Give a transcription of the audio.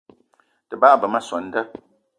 Te bagbe ma soo an da